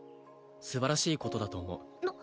すばらしいことだと思う